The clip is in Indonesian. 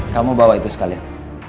kamu bawa itu sekalian